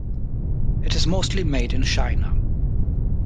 It is mostly made in China.